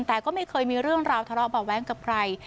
แต่ก็ไม่เคยมีเรื่องราวทะเลาะเบาะแว้งกับใคร